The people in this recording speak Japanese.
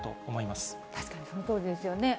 確かにそのとおりですよね。